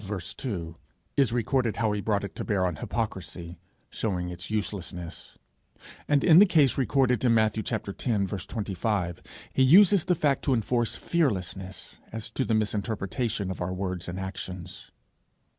2, is recorded how he brought it to bear on hypocrisy, showing its uselessness; and, in the case recorded in Matthew x. 25, he uses the fact to enforce fearlessness as to the misinterpretation of our words and actions.